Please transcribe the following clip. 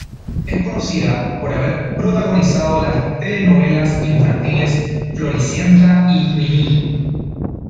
Es conocida por haber protagonizado las telenovelas infantiles "Floricienta" y "Niní".